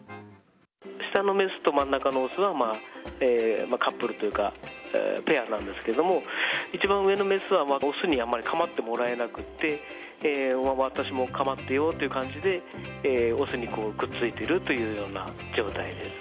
下の雌と真ん中の雄はカップルというか、ペアなんですけども、一番上の雌は雄にあまり構ってもらえなくて、私も構ってよっていう感じで、雄にくっついているというような状態です。